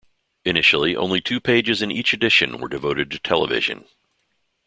Initially only two pages in each edition were devoted to television.